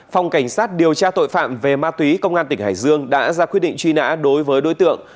phòng cảnh sát điều tra tội phạm về ma túy công an tỉnh hải dương đã ra quyết định truy nã đối với đối tượng